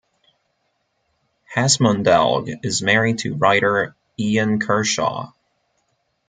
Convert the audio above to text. Hesmondhalgh is married to writer Ian Kershaw.